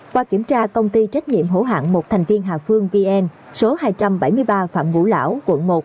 qua kiểm tra công ty trách nhiệm hỗ hạng một thành viên hạ phương vn số hai trăm bảy mươi ba phạm vũ lão quận một